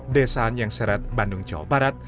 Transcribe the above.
desa anyeng seret bandung jawa barat